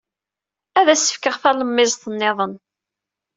Ad as-fkeɣ talemmiẓt niḍen.